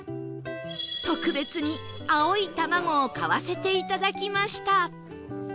特別に青いたまごを買わせていただきました